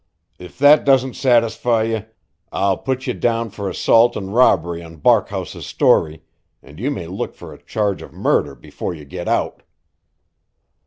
If that doesn't satisfy ye, I'll put ye down for assault and robbery on Barkhouse's story, and ye may look out for a charge of murder before ye git out."